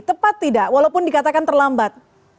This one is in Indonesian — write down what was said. tepat tidak walaupun dikatakan terlambat